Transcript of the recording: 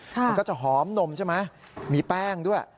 มันก็จะหอมนมใช่ไหมมีแป้งด้วย